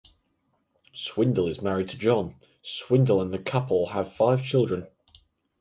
Swindle is married to Jon Swindle and the couple have five children.